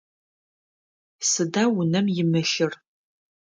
Сыда унэм имылъыр?